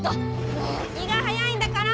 もう気が早いんだから！